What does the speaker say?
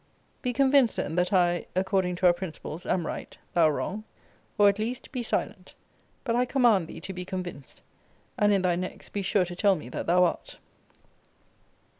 Be convinced, then, that I (according to our principles) am right, thou wrong; or, at least, be silent. But I command thee to be convinced. And in thy next be sure to tell me that thou art.